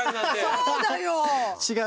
そうだよ。